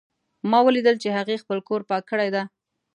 ما ولیدل چې هغې خپل کور پاک کړی ده